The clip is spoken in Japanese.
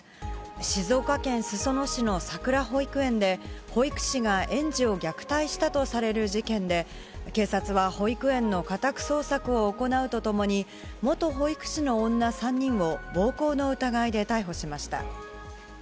静岡県裾野市のさくら保育園で、保育士が園児を虐待したとされる事件で、警察は保育園の家宅捜索を行うとともに、元保育士の女３人を暴行の疑いで逮捕しました。